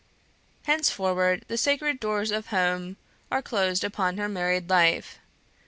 Henceforward the sacred doors of home are closed upon her married life.